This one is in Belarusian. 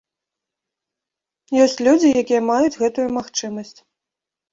Ёсць людзі, якія маюць гэтую магчымасць.